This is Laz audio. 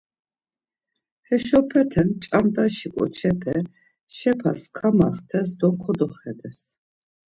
Heşopete ç̌andaşi ǩoçepe şepas kamaxtes do kodoxedes.